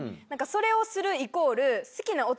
それをするイコール。